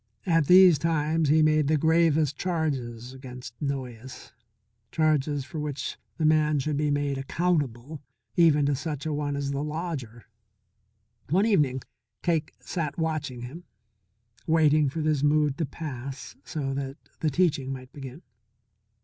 At these times he made the gravest charges against Noyes; charges for which the man should be made accountable, even to such a one as the lodger. One evening Cake sat watching him, waiting for this mood to pass so that the teaching might begin.